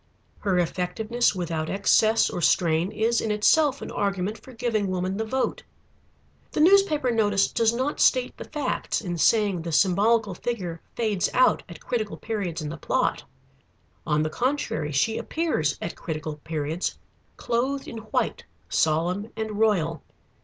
Her effectiveness without excess or strain is in itself an argument for giving woman the vote. The newspaper notice does not state the facts in saying the symbolical figure "fades out" at critical periods in the plot. On the contrary, she appears at critical periods, clothed in white, solemn and royal.